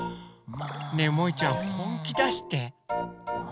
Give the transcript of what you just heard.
ねえもいちゃんほんきだして！